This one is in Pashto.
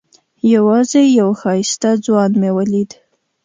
یوازې یو ښایسته ځوان مې ولید.